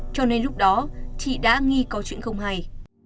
cho nên lúc đó chị đã nghi có chuyện không hay